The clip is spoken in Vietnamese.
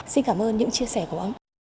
xin cảm ơn những chia sẻ của ông